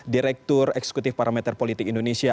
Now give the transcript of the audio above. direktur eksekutif parameter politik indonesia